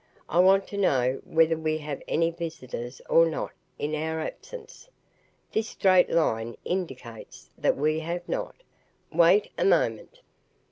I want to know whether we have any visitors or not in our absence. This straight line indicates that we have not. Wait a moment."